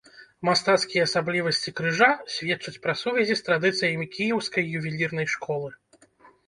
Мастацкія асаблівасці крыжа сведчаць пра сувязі з традыцыямі кіеўскай ювелірнай школы.